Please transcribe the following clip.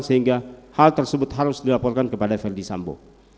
sehingga hal tersebut harus dilaporkan kepada verdi sambo